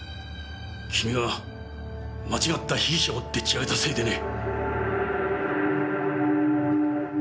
君が間違った被疑者をでっちあげたせいでね。